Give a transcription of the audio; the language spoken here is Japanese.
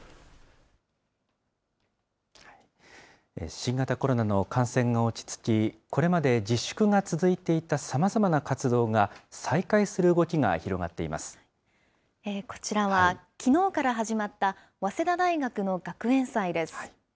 新型コロナの感染が落ち着き、これまで自粛が続いていたさまざまな活動が、再開する動きが広がこちらは、きのうから始まった早稲田大学の学園祭です。